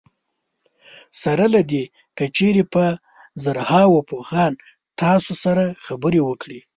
سره له دې که چېرې په زرهاوو پوهان تاسو سره خبرې وکړي.